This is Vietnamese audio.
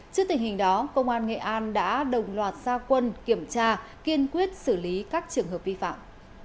trước tình hình đó công an nghệ an đã đồng loạt gia quân kiểm tra kiên quyết xử lý các trường hợp vi phạm